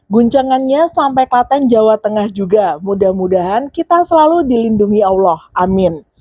guncangannya sampai klaten jawa tengah juga mudah mudahan kita selalu dilindungi allah amin